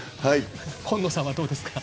今野さんはどうですか？